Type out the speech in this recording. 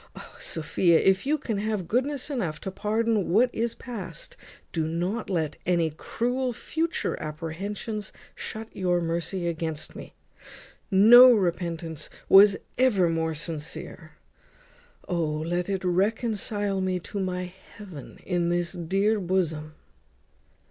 O Sophia! if you can have goodness enough to pardon what is past, do not let any cruel future apprehensions shut your mercy against me. No repentance was ever more sincere. O! let it reconcile me to my heaven in this dear bosom."